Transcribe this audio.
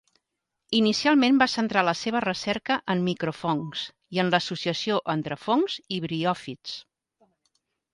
Inicialment va centrar la seva recerca en microfongs i en l'associació entre fongs i briòfits.